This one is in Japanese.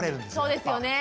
そうですよね。